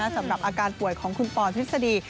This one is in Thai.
สำหรับอาการป่วยของคุณปอนทฤษฎี